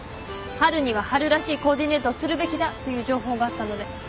春には春らしいコーディネートをするべきだという情報があったので。